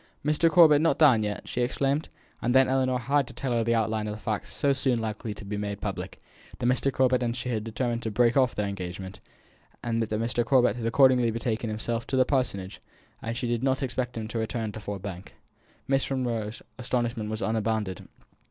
"Mr. Corbet not down yet!" she exclaimed. And then Ellinor had to tell her the outline of the facts so soon likely to be made public; that Mr. Corbet and she had determined to break off their engagement; and that Mr. Corbet had accordingly betaken himself to the Parsonage; and that she did not expect him to return to Ford Bank. Miss Monro's astonishment was unbounded.